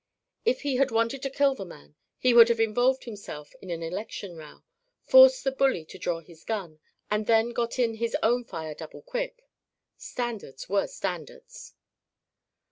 If he had wanted to kill the man he would have involved himself in an election row, forced the bully to draw his gun, and then got in his own fire double quick. Standards were standards.